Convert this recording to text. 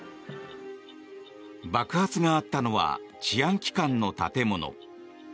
爆発があったのは治安機関の建物。